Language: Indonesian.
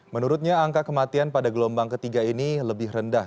menurutnya angka kematian pada gelombang ketiga ini lebih rendah